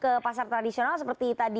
ke pasar tradisional seperti tadi